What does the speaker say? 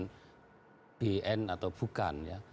bahwa ini jaringan bn atau bukan ya